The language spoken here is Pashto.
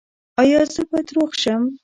ایا زه باید روغ شم؟